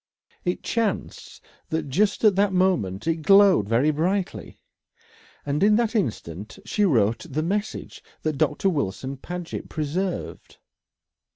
It chanced that just at that moment it glowed very brightly, and in that instant she wrote the message that Doctor Wilson Paget preserved.